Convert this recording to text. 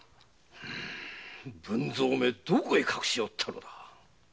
文造めどこへ隠しおったのだ。